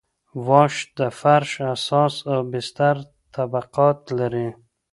واش د فرش اساس او بستر طبقات لري